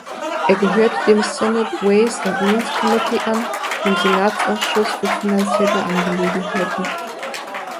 Er gehörte dem "Senate Ways and Means Committee" an, dem Senatsausschuss für finanzielle Angelegenheiten.